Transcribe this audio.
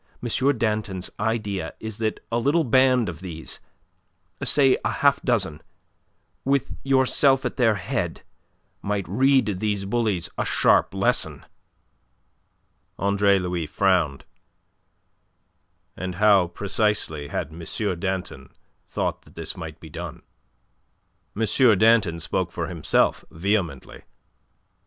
Danton's idea is that a little band of these say a half dozen, with yourself at their head might read these bullies a sharp lesson." Andre Louis frowned. "And how, precisely, had M. Danton thought that this might be done?" M. Danton spoke for himself, vehemently.